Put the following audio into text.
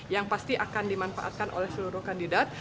yang pasti akan dimanfaatkan oleh seluruh kandidat